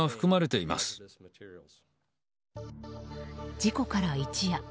事故から一夜。